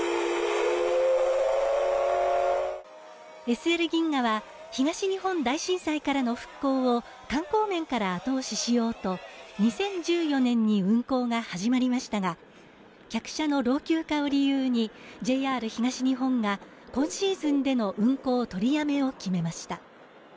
ＳＬ銀河は東日本大震災からの復興を観光面から後押ししようと２０１４年に運行が始まりましたが客車の老朽化を理由にＪＲ東日本が今シーズンでの運行取りやめを決めました。